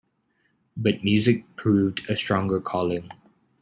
But music proved a stronger calling.